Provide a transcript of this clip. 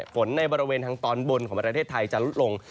ในบริเวณทางตอนบนของประเทศไทยจะลดลง